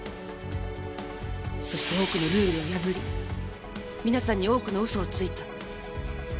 そして多くのルールを破り皆さんに多くの嘘をついた。